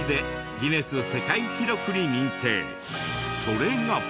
それが。